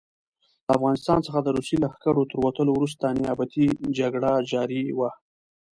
له افغانستان څخه د روسي لښکرو تر وتلو وروسته نیابتي جګړه جاري وه.